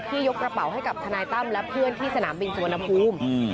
ยกกระเป๋าให้กับทนายตั้มและเพื่อนที่สนามบินสุวรรณภูมิ